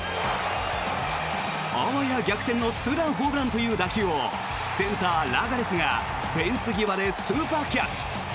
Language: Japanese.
あわや逆転のツーランホームランという打球をセンター、ラガレスがフェンス際でスーパーキャッチ。